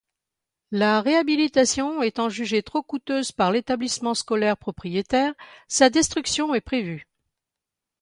La réhabilitation étant jugée trop coûteuse par l'établissement scolaire propriétaire, sa destruction est prévue.